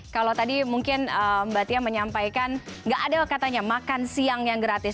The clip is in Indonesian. kalau tadi mungkin mbak tia menyampaikan nggak ada katanya makan siang yang gratis